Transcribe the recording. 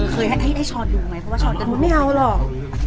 เคยให้ให้เชาะดูไหม